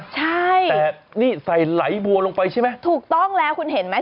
ใช่แต่นี่ใส่ไหลบัวลงไปใช่ไหมถูกต้องแล้วคุณเห็นไหม